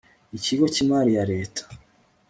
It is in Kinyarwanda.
ikigo cy imari ya Leta